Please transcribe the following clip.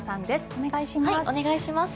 お願いします。